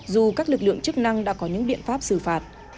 dù các lực lượng chức năng đã có những biện pháp xử phạt